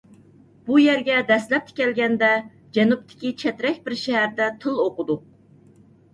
بۇ يەرگە دەسلەپتە كەلگەندە جەنۇبتىكى چەترەك بىر شەھەردە تىل ئوقۇدۇق.